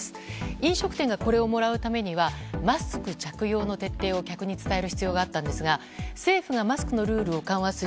飲食店がこれをもらうためにはマスク着用の徹底を客に伝える必要があったんですが政府がマスクのルールを緩和する